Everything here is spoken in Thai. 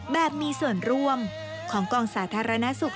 แบบมีส่วนร่วมของกองสาธารณสุข